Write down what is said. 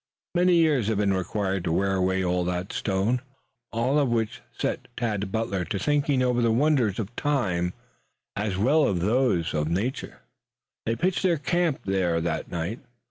Many years had been required to wear away the stone, all of which set Tad Butler to thinking over the wonders of time as well as those of nature. They pitched their camp there that night.